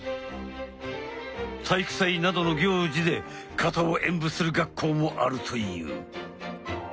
体育祭などの行事で形を演武する学校もあるという。